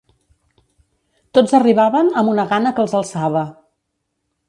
Tots arribaven amb una gana que els alçava